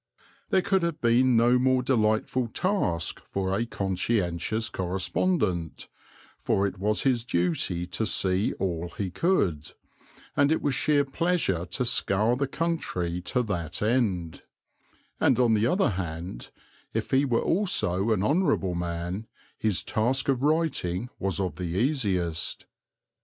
There could have been no more delightful task for a conscientious correspondent, for it was his duty to see all he could, and it was sheer pleasure to scour the country to that end; and on the other hand, if he were also an honourable man, his task of writing was of the easiest.